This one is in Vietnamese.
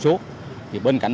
cảnh sát giao thông